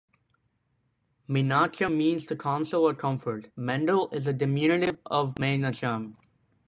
Menachem means to console or comfort, Mendel is a diminutive of Menachem.